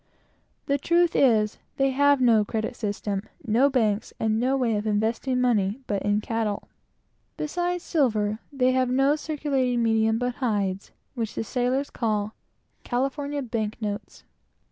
The truth is, they have no credit system, no banks, and no way of investing money but in cattle. They have no circulating medium but silver and hides which the sailors call "California bank notes."